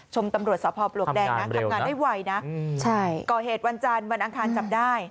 ชมตำรวจสภาพบริโรคแดงนะทำงานได้ไวนะข่อเหตุวันจันทร์วันอังคารจับได้